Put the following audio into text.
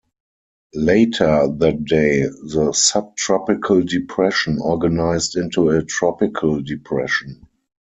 Later that day, the subtropical depression organized into a tropical depression.